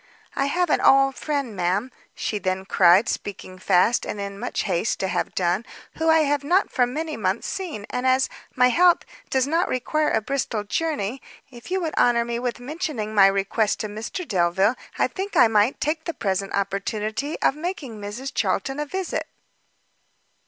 "I have an old friend, ma'am," she then cried, speaking fast, and in much haste to have done, "who I have not for many months seen, and, as my health does not require a Bristol journey, if you would honour me with mentioning my request to Mr Delvile, I think I might take the present opportunity of making Mrs Charlton a visit."